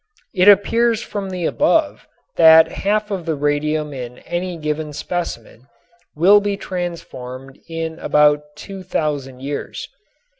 It appears from the above that half of the radium in any given specimen will be transformed in about 2000 years.